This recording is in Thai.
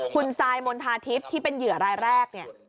คุณซายมณฑาทิพย์ที่เป็นเหยื่อรายแรกเนี่ย